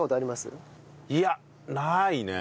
いやないね。